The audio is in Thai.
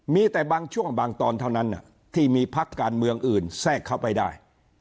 มีแต่บางช่วงบางตอนเท่านั้นที่มีพักการเมืองอื่นแทรกเข้าไปได้